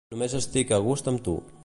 Només estic a gust amb tu.